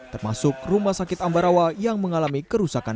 termasuk rumah sakit ambarawa yang mengalami kerusakan